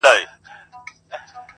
o ماما مه گوره، پوستين ئې گوره.